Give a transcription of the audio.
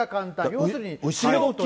要するに。